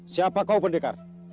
siapa kau pendekar